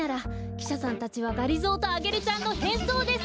きしゃさんたちはがりぞーとアゲルちゃんのへんそうです！